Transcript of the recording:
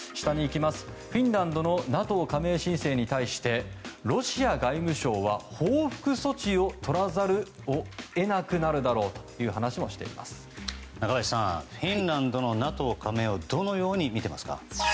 フィンランドのＮＡＴＯ加盟申請に対してロシア外務省は報復措置をとらざるを得なくなるだろうという中林さん、フィンランドのＮＡＴＯ加盟をどのように見ていますか？